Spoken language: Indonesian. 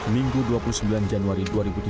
minggu dua puluh sembilan januari dua ribu tujuh belas